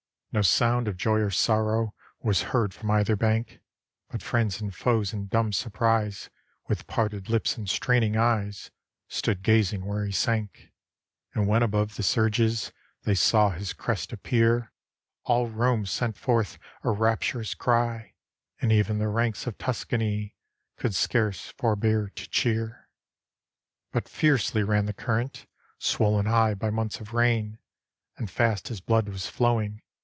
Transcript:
No sound of joy or sorrow Was heard from either bank; But friends and foes in dumb surprise, With parted lips and straining eyes, Stood gazing where he sank ; And when above the surges They saw his crest appear, All Rome sent forth a rapturous cry, And even the ranks of Tuscany Could scarce forbear to cheer. But fiercely ran the current, Swollen high by months of rain: And fast his blood was flowing.